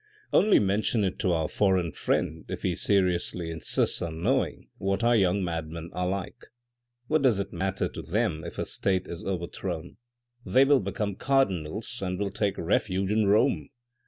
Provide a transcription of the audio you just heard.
" Only mention it to our foreign friend, if he seriously insists on knowing what our young madmen are like. What does it matter to them if a state is overthrown, they will become cardinals and will take refuge in Rome.